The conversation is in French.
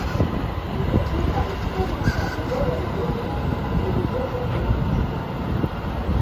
Il était l'un des sept enfants de Rosalie Lorig et de Joseph Wirth.